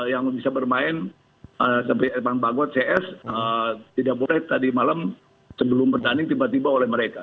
yang bisa bermain seperti ervan bagot cs tidak boleh tadi malam sebelum bertanding tiba tiba oleh mereka